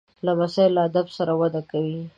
لمسی له ادب سره وده کوي.